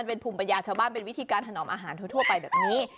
เป็นภูมิปัญญาชาวบ้านเป็นวิธีการถนอมอาหารทั่วไปแบบนี้